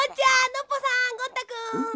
ノッポさんゴン太くん。